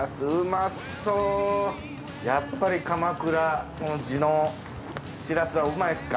やっぱり鎌倉地のしらすは美味いっすか？